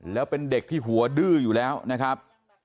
แล้วเป็นเด็กที่หัวดื้ออยู่แล้วนะครับ